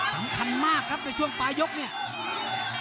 สำคัญมากครับในช่วงปลายยกเนี่ย